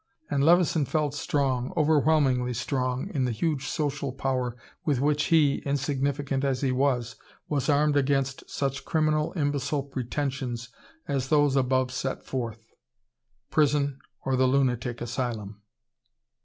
And Levison felt strong, overwhelmingly strong, in the huge social power with which he, insignificant as he was, was armed against such criminal imbecile pretensions as those above set forth. Prison or the lunatic asylum.